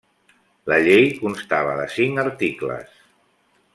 La llei constava de cinc articles.